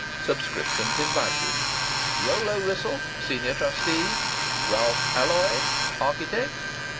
Subscriptions invited. Rollo Wrissell: Senior Trustee. Ralph Alloyd: Architect.